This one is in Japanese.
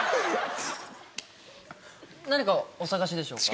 何かお探しでしょうか？